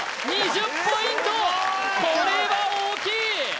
２０ポイントこれは大きい！